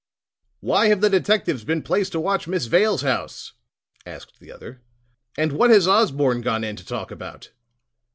"Why have the detectives been placed to watch Miss Vale's house?" asked the other. "And what has Osborne gone in to talk about?"